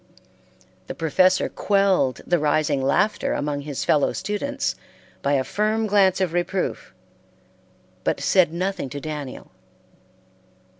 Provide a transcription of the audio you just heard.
The professor quelled the rising laughter among his fellow students by a firm glance of reproof, but said nothing to Daniel.